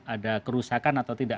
ada kerusakan atau tidak